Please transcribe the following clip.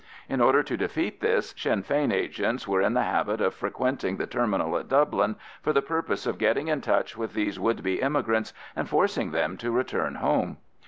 In order to defeat this, Sinn Fein agents were in the habit of frequenting the termini in Dublin for the purpose of getting in touch with these would be emigrants and forcing them to return home.